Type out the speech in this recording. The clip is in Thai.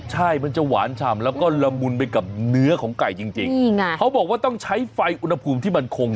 ใช่มันจะหวานชำแล้วก็ละมุนไปกับเนื้อของไก่จริง